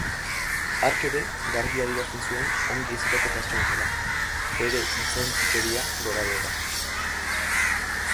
Hark ere garbi adierazten zuen ongi hezitako pertsona zela, bere hitzontzikeria gorabehera.